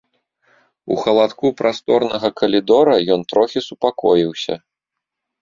У халадку прасторнага калідора ён трохі супакоіўся.